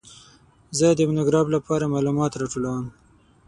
زه د مونوګراف لپاره معلومات راټولوم.